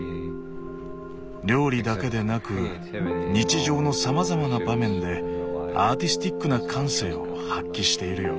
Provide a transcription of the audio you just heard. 料理だけでなく日常のさまざまな場面でアーティスティックな感性を発揮しているよ。